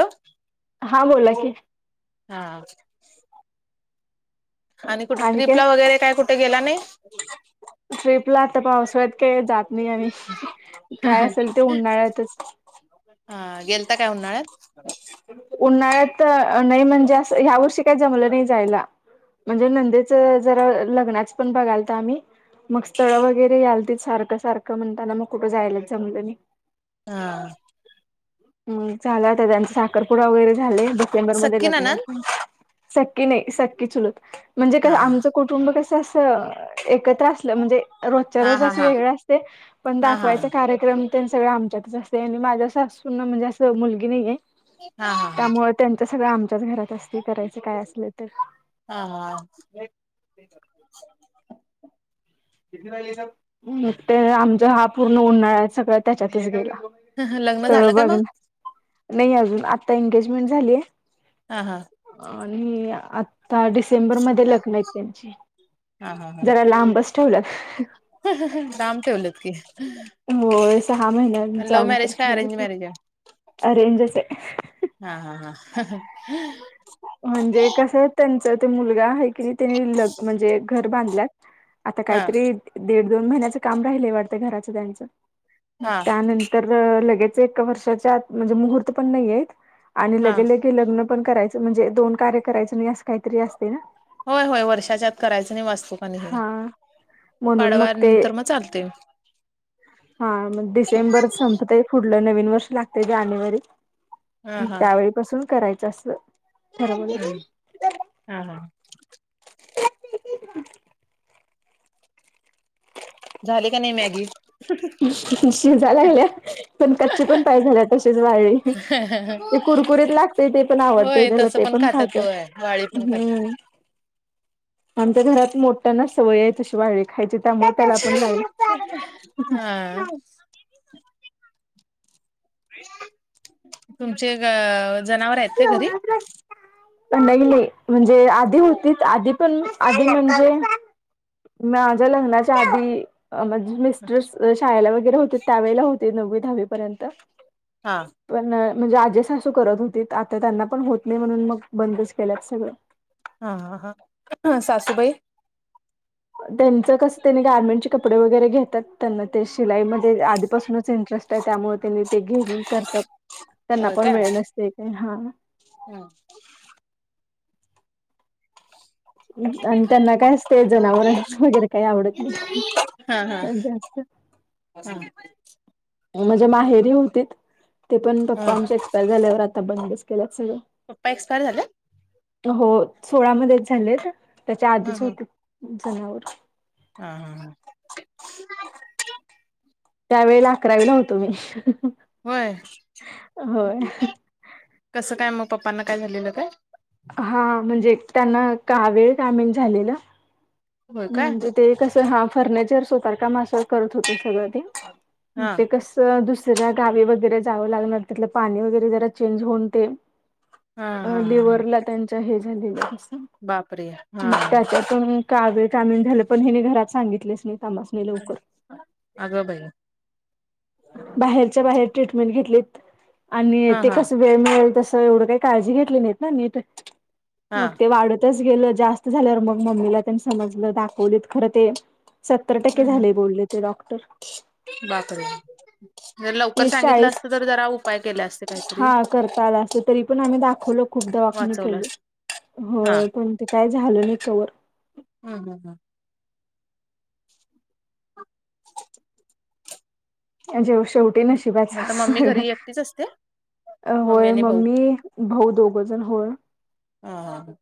Hello हा बोला की हा आणि कुठ ट्रिपला वगैरे काय कुठ गेला नाही? ट्रीपला आता पावसाळ्यात काय जात नाय आम्ही. हा हा. काय असेल ते उन्हाळ्यातच. हा! गेलता काय उन्हाळ्यात? उन्हाळ्यात! नाही म्हणजे अस ह्या वर्षी काय जमलं नाही जायला. म्हणजे नंदेच जरा लग्नाच पण बघालत आम्ही मग स्थळं वगैरे यालतील सारखं सारखं म्हणताना मग कुठं जायलाच जमलं नाही. हा! अ झाला आता त्यांचा साखरपुडा वगैरे झालय डिसेंबर मध्ये सक्की लग्न नणंद आहेत. सक्की नाही सक्कीचुलत म्हणजे क हा हा. आमचं कुटुंब कसं असं एकत्र असलं म्हणजे रोजच्या हा रोज हा असं हा वेगळं असतय, पण हा हा दाखवायचं कार्य [unintelligible] ते सगळ आमच्यातच असते, आणि माझ्या सासूना म्हणजे असं मुलगी नाईये हा हा हा त्यामुळे त्यांच सगळं आमच्याच घरात असतय करायचं काय असलं तर. हा हा. [unintelligible] मग ते आमचा हा पूर्ण उन्हाळा सगळा त्याच्यातच गेला. लग्न झालं [unintelligible] काय मग? बघण नाही अजून आता एंगेजमेंट झालीय. हा हा. अणि आता डिसेंबरमध्ये लग्न आहेत त्यांची. हा जरा लांबच ठेवल. ह ह लांब ठेवलत की. हो सहा महिन्यांच लव्ह अंतर मॅरेज काय अरेंज ठेवले मॅरेज आहे? [unintelligible] अरेंजच आहे. हा हा हा ह ह. म्हणजे कसं आहे त्यांच ते मुलगा आहे की नाय त्यांनी ल म्हणजे घर बांधल्या. ह आता कायतरी दीड- दोन महिन्याचं काम राहिलय वाटतं घराचं त्यांचं मग हा त्यानंतर तर लगेच एका वर्षाच्या आत म्हणजे, मुहूर्त पण नाईयेत आणि हा लगे ले की लग्न पण करायचं म्हणजे दोन कार्य करायचं नाय असं कायतरी असतय ना. होय होय वर्षाच्या आत करायचं नाय वास्तूक आणि हे. हा. म्हणून पाडव्या मग ते नंतर म चालतय. हा म डिसेंबर संपतय फुढलं नवीन वर्ष लागतय जानेवारी. हा हा त्यावेळीपासून करायचं अस [unintelligible] हा हा हा झाली कनाय मॅगी? शिजाय लागल्या पण, कच्चे पण पाय झाले तसेच वाळले. ते कुरकुरीत लागतय ते पण आवडतय होय त्याला तसं ते पण खातात खातोय. होय वाळी पण खातात. हम्म! [unintelligible] आमच्या घरात मोठ्याना सवय हाय तशी वा [inaudible] खायची त्यामुळे त्याला पण लागली. हा. [unintelligible] तुमचे ग जनावर आहेत ते घरी? नाय नाय म्हणजे आधी होतीत, आधी पण आधी म्हणजे माझ्या, लग्नाच्या आधी म्हजी मिस्टर्स शाळेला वगैरे होते, त्यावेेळेला होते नववी दहावी पर्यंत. हा. पण म्हणजे आजे सासू करत होती, आता त्यांना पण होत नाय म्हणून मग बंदच केल्यात सगळं. हा हा [unintelligible] सासूबाई. त्यांच कसं त्यांनी गार्मेंटचे कपडे वगैरे घेतात त्यांना ते शिलाई ते आधीपासूनच इंटरेस्ट हाय त्यामुळे, त्यांनी ते घेऊन करतात, त्यांना होय पण काय वेळ ते काय हा. हा. अन त्यांना काय असतय जनावर वगैरे काय आवडत नाही हा जास्त. हा. म्हजे माहेरी होती हुतित ते पण पप्पा आमचे [unintelligible] झाल्यावर आता बंदच केलंत सगळं. पप्पा एक्स्पायर झाले? हो सोळामध्येच झालेत त्याच्या हा आधीच हा होते जनावर हा हा हा त्यावेळेला अकरावी होतो मी होय, होय कस काय? मग पप्पांना काय झालेलं काय? हा म्हणजे त्यांना कावीळ धामीन झालेला, होय काय म्हणजे ते कसं हा फर्निचर सुतार काम असं करत होते सगळं ते, हा ते कस दुसऱ्या गावी वगैरे जावं लागणार तिथलं पाणी वगैरे जरा चेंज होऊन ते, हा अ हा हा लिवरला त्यांच्या हे झालेल अस, बापरे हा त्याच्यात तुन कावीळ कामिन झालं पण हे घरात सांगितलेच नाही. आमाासणी लवकर अग बाई, बाहेरच्या बाहेर ट्रीटमेंट घेतलीत. आणि हा ते हा कस वेळ मिळेल तस एवढं काही काळजी घेतली नाहीत ना नीट हा मग ते वाढत, च गेलं जास्त झाल्यावर मग मम्मीला त्यांनी समजलं दाखवलीत खरं ते सत्तर टक्के हम्म झाले बोलले ते डॉक्टर बापरे! जर लवकर तीस, सांगितलं चाळीस असतं तर जरा उपाय केले असते काहीतरी हा करता आला असत तरी पण आम्ही दाखवलो. खूप दवाखाने वाचवलं केले, असत हा होय पण ते काय झालं नाही. कवर हा हा हा जेव शेवटी हम्म नशीबाच मग आता असत मम्मी सगळ, घरी एकटीच असते? अ होय आणि भाऊ मम्मी भाऊ दोघजण होय, हा हा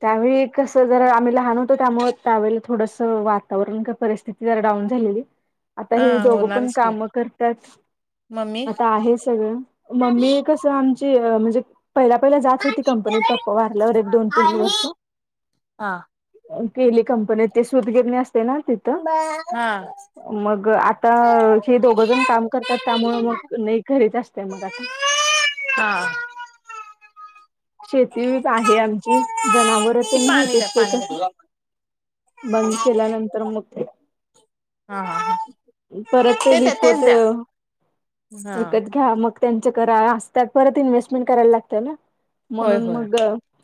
त्यावेळी कस जरा आम्ही लहान होतो त्यामुळे त्यावेळेला थोडस वातावरण परिस्थिती जरा डाऊन झालेली. आता हे हा दोघंपण होणारच की काम करतात मम्मी आता आहे सगळं मम्मी आमची म्हणजे पहिला पहिला जात होती कंपनीत पप्पा वारल्यावर एक दोन तीन वर्ष हा केली कंपनीत ते सुतगिरणी असतीया ना तिथ, हा मग आता हे दोघ जण काम करतात. त्यामुळे मग नाही घरीच असत तीया मग आता हा [inaudible] शेती आहे आमची, जनावर ती तेन पाणी द्या होतीत ते पाणी कस द्या बंद केल्यानंतर मग ते हा हा हा परत ते त्या तेच विकते. द्या हा विकत घ्या मग त्यांचं करा असतात परत इन्व्हेस्टमेंट करायला लागतं ना, होय म्हणून होय मग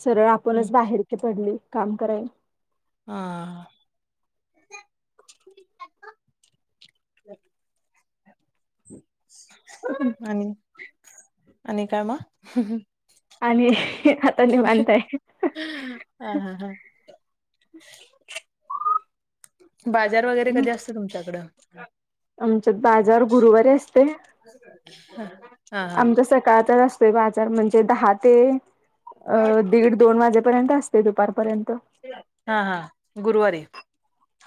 सरळ आपणच बाहेर ती पडली काम करायला. हा [inaudible] आणि आणि काय म आणि आता निवांत हाय, ह ह हा बाजार वगैरे कधी असतोय. तुमच्याकडं आमच्यात बाजार गुरुवारी असतय. हा हा आमच्यासाठी काळातच असतोय बाजार म्हणजे दहा ते अ दीड दोन वाजेपर्यंत असतोय. दुपारपर्यंत हा हा गुरुवारी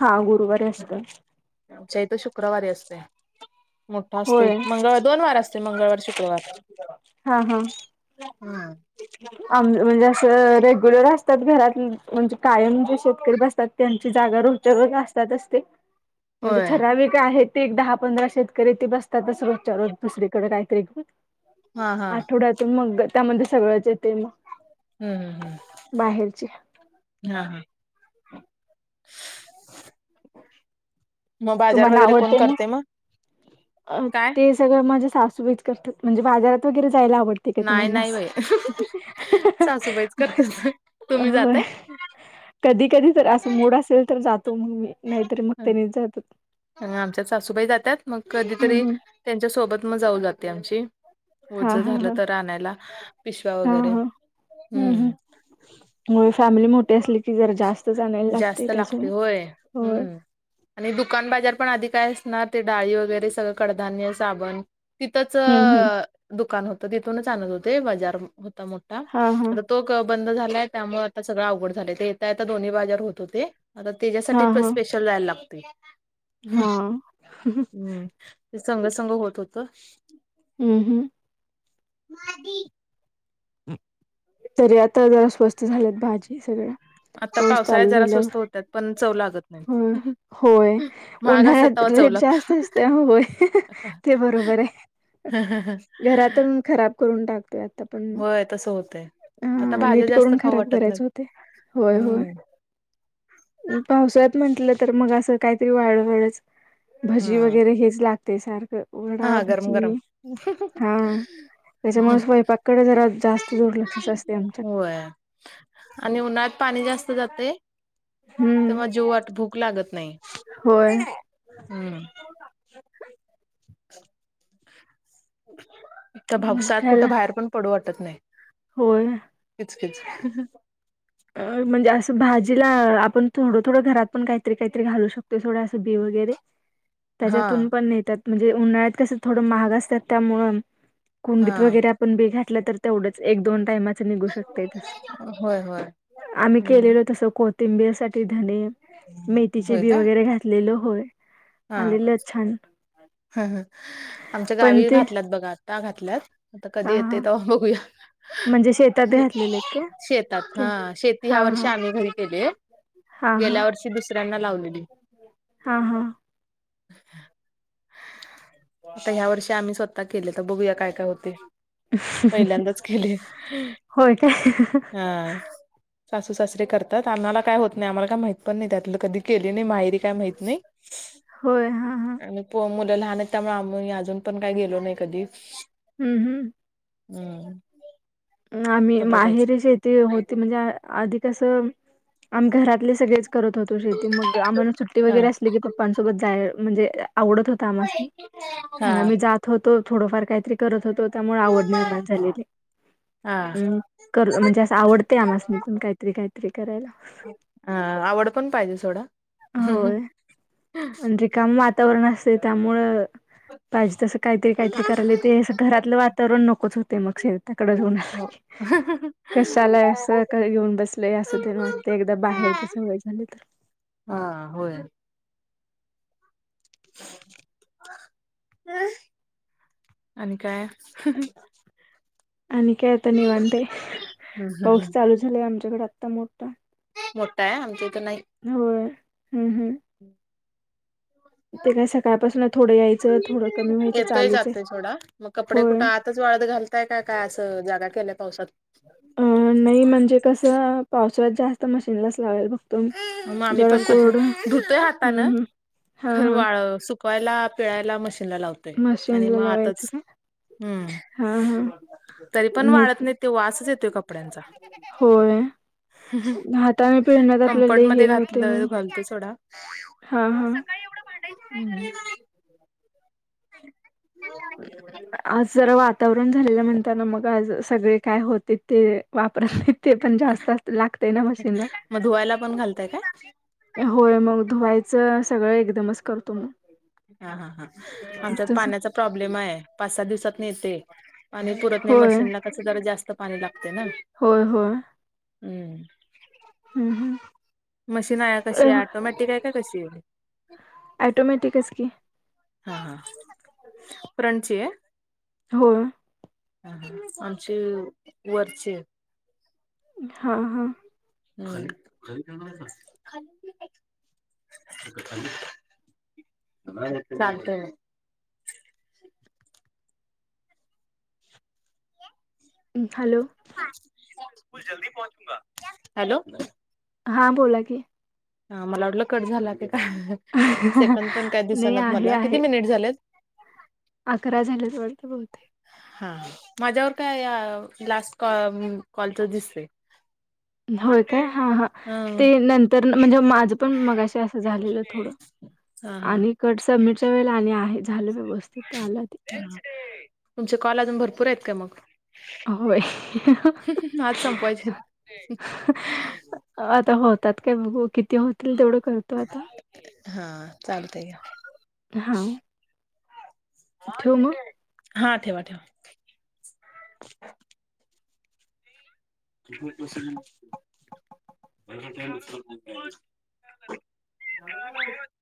हा गुरुवारी असत. आमच्या इथे शुक्रवारी असतय. मोठा असतोय होय मंगळवार दोन वार असते मंगळवार शुक्रवार हा हा. हा. म्हणजे असं रेग्युलर असतात घरात म्हणजे कायम जे शेतकरी बसतात त्यांची जागा रोज रोज असतात असते म्हणजे होय ठराविक आहेत ते एक दहा पंधरा शेत. ती बसतातच रोजच्या रोज दुसरीकडे काहीतरी घेऊन हा हा आठवड्यातून मग त्यामध्ये सगळंच येते मग. हम्म हम्म बाहेरची हम्म हा हा [unintelligible] [unintelligible] मग बाजार तुम्हाला वगैरे कोण आवडते मग करते काय तेच? सगळ माझ्या सासू बाईच करतात म्हणजे बाजारात वगैरे जायला आवतं ते काय नाही तुम्हाना नाही अस बाई सासूबाईच करतात तुम्ही होय [unintelligible] कधी कधी तर असं मोड असेल तर जातो मग मी नाहीतरी मग त्यानीच जात्यात. आमच्यात सासूबाई जातात मग हं कधीतरी हं. त्यांच्या सोबत मग जाऊ जाते आमची हां ओझं हां झालं हां तर आणायला पिशव्या हां वगैरे हां हं हं. हम्म होय फॅमिली मोठी असली की जरा जास्तच आणायला जास्त लागते त्याच्यामुळे होय होय. हम्म आणि दुकान बाजार पण आधी काय असणार ते डाळी वगैरे सगळं कडधान्य साबण तिथंच हं हं. दुकान होतं तिथूनच आणत होते बजार होता मोठा हां हां आता तो बंद झालाय त्यामुळे आता सगळं अवघड झालंय ते येता यता दोन्ही बाजार होत होते. आता त्याच्यासाठी हां पण हां स्पेशल जायला लागते हां. हम्म ते संघ संघ होत होत. हम्म हम्म. मा दि. तरी आता जरा स्वस्त झाल्यात भाजी सगळ्या आता पाऊस पावसाळ्यात चालू जरा स्वस्त होतात पण चव लागत नाही झाल्यावर होय महाग असतात उन्हाळ्यात तेव्हा चव रेट जास्त लागतात असते होय ते बरोबर आहे. हा हा हा. घरातून खराब करून टाकल्यात. होय तस होतंय. आता अं भाज्या नीट जास्त करून खाऊ खराब वाटत नाही करायचे होते होय होय हम्म पावसळ्यात म्हटलं तर मग असं काहीतरी वाढ वाळवळच. भजी हा वगैरे हेच लागते सारखं हा वडा हा, गरम गरम भजी हा त्याच्यामुळे स्वयंपाककडे जरा जास्त जोडलात होय आणि उन्हाळ्यात पाणी जास्त जातय तर हम्म मग जेवाट भूक लागत नाही होय हम्म त्या मग भावसात कुठं त्याला बाहेर पण पडू वाटत नाही होय. कीच कीच. आ. म्हणजे असं भाजीला आपण थोडं थोडं घरात पण काहीतरी काहीतरी घालू शकतो थोडं असं बी वगैरे. हा त्याच्यातून पण नेतात म्हणजे उन्हाळ्यात कसं थोडं महाग असतात त्यामुळं हा कुंडीत वगैरे आपण बी घातलं तर तेवढंच एक दोन टायमाच निघू शकतेय तस. होय होय. आम्ही हम्म केलेलो तसं कोथिंबीर साठी धणे मेथीचे होय बी का वगैरे घातलेलो होय. आलेला छान. ह ह आमच्या पण गावी ते घातलात बघा आता घातल्यात. आता कधी हा येते हा ते बघूया? म्हणजे शेतात घातलेले आहेत काय शेतात ओके हा शेती ह्या हा हा वर्षी आम्ही घरी केली. हा गेल्या हा वर्षी दुसऱ्यांना लावलेली. हा हा. आता ह्या वर्षी आम्ही स्वतः. आता केले तर बघूया काय काय होते पहिल्यांदाच केले ह हा [inaudible] सासू सासरीे करतात आम्हाला काय होत नाही आम्हाला काय माहित पण नाही त्यातलं कधी केली नाही माहेरी. काय माहित नाही. होय हा हा मुलं लहान आहेत त्यामुळे आम्ही अजून पण काही गेलो नाही कधी. हम्म हम्म. हम्म. आम्ही तर बघायचं माहेरी शेती होती म्हणजे अधिकसं. आम्ही घरातले सगळेच करत होतो शेती मग आम्हाला सुट्टी हा वगैरे असली कीप्. ्पसोबत जाय म्हणजे आवडत होता आमस मी मग हा आम्ही जात. होतो थोडंफार काहीतरी करत होतो त्यामुळे आवड निर्माण झालेली. हा अम् कर म्हणजे असं आवडते आमसनी पण काहीतरी काहीतरी करायला. अ आवड पण पाहिजे थोडं. होय म्हण रे काम वातावरण असते त्यामुळं. पाहिजे तसं काहीतरी काहीतरी करायला ते अस घरातलं वातावरण नकोच होते मग शेताकडे ज होण्याला. ह. कशाला असं घेऊन बसलय असं ते वाटते एकदा बाहेरच सवय झाली तर. हा होय. आणि काय. आणि का यता नि म्ह ते पाऊस चालू. झाय आमच्याकडे आत्ता मोठा. मोठा आहे आमच्या इथं नाही. हो हम्म हम्म. हम्. ते काय सकाळपासून थोडं यायचं थोडं कमी व्हायचं येतोय चालूच आहे जातो थोडा मग कपडे होय. कुठं आ च वाळत घालताय काय असं जागा केल्याय पावसात. अ नाही म्हणजे कसं पावसाळ्यात जास्त मशीनलाच लावावेल बघ. मगम्ही पण प धुतय हाता ना हम्म हम्म हा खर हा वाळ सु शिकवायला पिळायला मशीनला लावतोय आणि मशीनला मग लावायचं आताच. का हम्म हा हा. तरी पण वाढत नाही ते वासच येतो कपड्यांचा. होय घ प्रेरण्यात आपल्याला कम्फर्ट हे मध्ये होते घातलं म्ह घालतोय सोडा हा हा. हम्. [inaudible] [unintelligible] आज जरा वातावरण झालेलं म्हणताना मग आज सगळे काय होते ते वापरा ते पण जास्तच लागतेय ना मशीनला मग धुवायला पण घालतय का? होय मग धुवायचं सगळं एकदमच करतो मग. हा हा हा आमच्यात तस पाण्याचा प्रॉब्लेम आहे पाच सात दिवसातन येतय आणि पुरत नाही होय मशीनला कस जरा जास्त पाणी लागते ना. होय होय हम्म हम्म हम्म मशीन आहे कशीय ऑटोमॅटिक आहे का कशी आहे? ॲटोमॅटिक च की हा हा फ्रंट ची आहे? होय आमचे वरचे हा हा [inaudible] चालतय हॅलो [unintelligible] हॅलो हा बोला की. ह मला वाटलं कट झाला की काय सेकंड पण काय नाही दिसनात आहे मला किती आहे मिनिट झालेत? अकरा झाल्यात वाटत बहुते हा माझ्यावर काय लास्ट क कॉलच दिसतय होय काय हा हा हं. ते नंतर म्हणजे माझं पण मगाशी असं झालेलं थोडं हा हा. आणि कट सबमिटच्या वेळे आणि आहे झालं बस्त तुमचे कॉल अजून भरपूर आहेत का मग? होय आज संपवायचे आहेत. आता होतात काय बघू किती होतील तेवढं करू हा चालतंय हा ठेऊ मग? हा ठेवा ठेवा. [inaudible] [unintelligible]